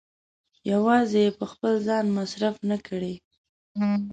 يوازې يې په خپل ځان مصرف نه کړي.